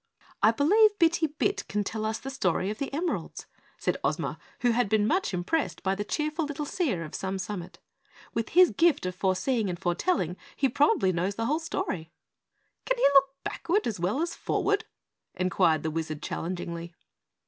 "I believe Bitty Bit can tell us the story of the emeralds," said Ozma, who had been much impressed by the cheerful little seer of Some Summit. "With his gift of foreseeing and foretelling he probably knows the whole story." "Can he look backward as well as forward?" inquired the Wizard challengingly.